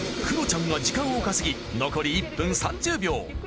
クロちゃんが時間を稼ぎ残り１分３０秒。